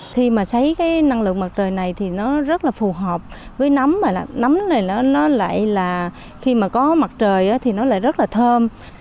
khi mà xây cái năng lượng mặt trời này thì nó rất là phù hợp với nấm nấm này nó lại là khi mà có mặt trời thì nó lại rất là thơm